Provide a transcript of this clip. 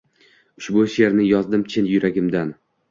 Ushbu sherni yozdim chin yuragimdan